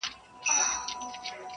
چې که مو پنځوني اوس څوک ونه موندل